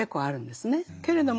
けれども